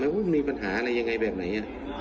ว่ามีปัญหาอะไรยังไงแบบไหน